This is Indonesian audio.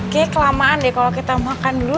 kayaknya kelamaan deh kalau kita makan dulu